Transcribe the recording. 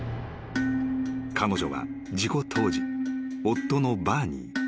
［彼女は事故当時夫のバーニー］